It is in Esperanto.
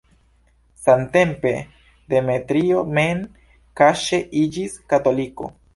Samtempe Demetrio mem kaŝe iĝis katoliko.